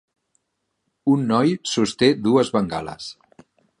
un noi sosté dues bengales.